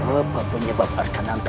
apa penyebab arkananta